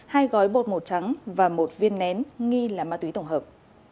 hai gói bột màu trắng và một viên nén nghi là ma túy tổng hợp